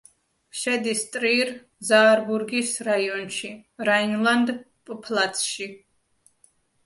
შედის ტრირ-ზაარბურგის რაიონში, რაინლანდ-პფალცში.